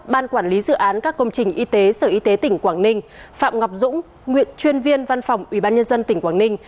ban quản lý dự án các công trình y tế sở y tế tỉnh quảng ninh phạm ngọc dũng nguyên chuyên viên văn phòng ubnd tỉnh quảng ninh